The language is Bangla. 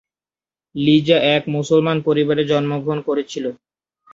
লিজা এক মুসলমান পরিবারে জন্মগ্রহণ করেছিল।